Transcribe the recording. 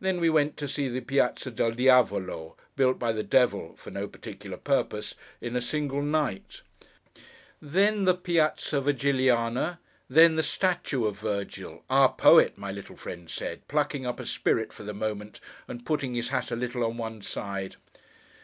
Then, we went to see the Piazza del Diavolo, built by the Devil (for no particular purpose) in a single night; then, the Piazza Virgiliana; then, the statue of Virgil—our Poet, my little friend said, plucking up a spirit, for the moment, and putting his hat a little on one side.